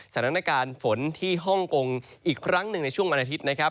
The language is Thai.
สถานการณ์ฝนที่ฮ่องกงอีกครั้งหนึ่งในช่วงวันอาทิตย์นะครับ